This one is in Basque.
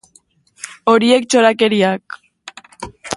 Horiek txorakeriak!